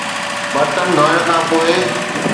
برتن ڌوئڻ کان پوء